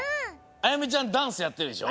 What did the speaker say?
あやめちゃんダンスやってるでしょ。